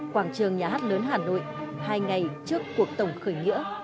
quảng trường nhà hát lớn hà nội hai ngày trước cuộc tổng khởi nghĩa